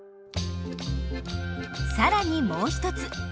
更にもう一つ。